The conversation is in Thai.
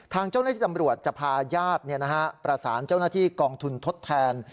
ทางเจ้าหน้าที่ตำรวจจะพาญาติประสานเจ้าหน้าที่กองทุนทดแทน